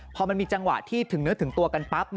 พอมันมีจังหวะที่ถึงเนื้อถึงตัวกันปั๊บ